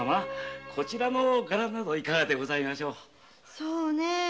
そうねえ